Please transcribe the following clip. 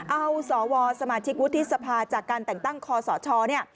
เอาสวสมาชิกวุฒิสภาจากการแต่งตั้งคอสชเนี่ย